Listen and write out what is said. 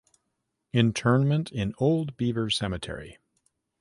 Interment in Old Beaver Cemetery.